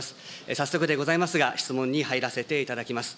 早速でございますが、質問に入らせていただきます。